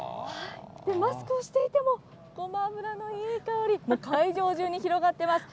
マスクをしていても、ごま油のいい香り、もう会場中に広がっています。